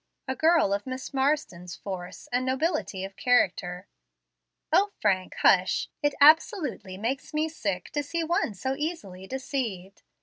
A girl of Miss Marsden's force and nobility of character " "O Frank, hush! It absolutely makes me sick to see one so easily deceived.